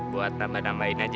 buat tambah tambahin aja